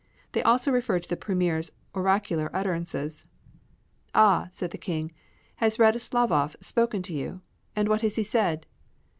They also referred to the Premier's oracular utterances. "Ah!" said the King. "Has Radoslavoff spoken to you, and what has he said?"